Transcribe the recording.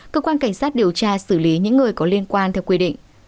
cơ quan cảnh sát điều tra xử lý những người có liên quan theo quy định